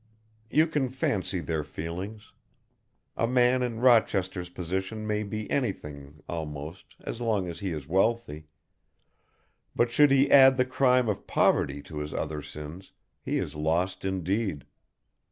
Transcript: You can fancy their feelings. A man in Rochester's position may be anything, almost, as long as he is wealthy, but should he add the crime of poverty to his other sins he is lost indeed.